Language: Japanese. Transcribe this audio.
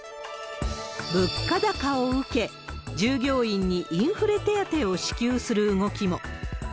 物価高を受け、従業員にインフレ手当を支給する動きも。